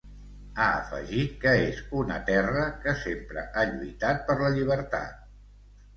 Ha afegit que és una terra que ‘sempre ha lluitat per la llibertat’.